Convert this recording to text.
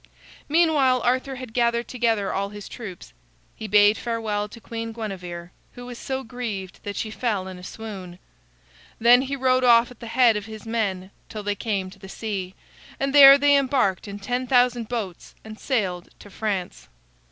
Meanwhile, Arthur had gathered together all his troops. He bade farewell to Queen Guinevere, who was so grieved that she fell in a swoon. Then he rode off at the head of his men till they came to the sea, and there they embarked in ten thousand boats and sailed to France.